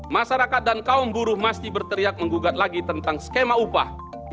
masyarakat dan kaum buruh mesti berteriak menggugat lagi tentang skema upah